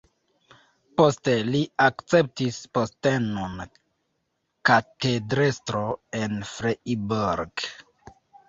Poste li akceptis postenon katedrestro en Freiburg.